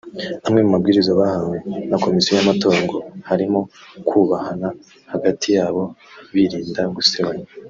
Amwe mu mabwiriza bahawe na Komisiyo y’Amatora ngo harimo kubahana hagati y’abo birinda gusebanya